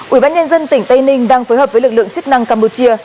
ủy ban nhân dân tỉnh tây ninh đang phối hợp với lực lượng chức năng campuchia